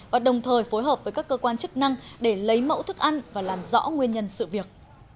và đồng thời phối hợp với các cơ quan chức năng để lấy mẫu thức ăn và làm rõ nguyên nhân sự việc